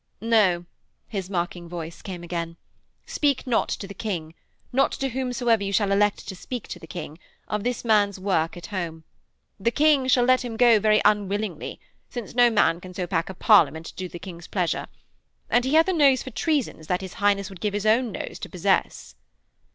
'No,' his mocking voice came again, 'speak not to the King not to whomsoever you shall elect to speak to the King of this man's work at home. The King shall let him go very unwillingly, since no man can so pack a Parliament to do the King's pleasure. And he hath a nose for treasons that his Highness would give his own nose to possess.'